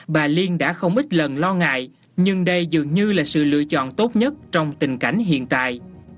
bà liên đã không ít lần lo ngại nhưng đây dường như là sự lựa chọn tốt nhất trong tình cảnh hiện tại